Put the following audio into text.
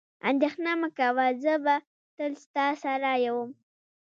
اندېښنه مه کوه، زه به تل ستا سره وم.